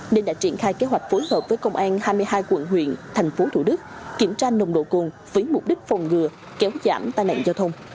nên đã triển khai kế hoạch phối hợp với công an hai mươi hai quận huyện thành phố thủ đức kiểm tra nồng độ cồn với mục đích phòng ngừa kéo giảm tai nạn giao thông